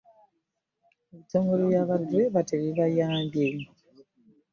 Ebitongole bya ba dereva tebibayambye.